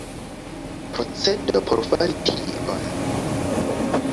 Procedo por fari tion.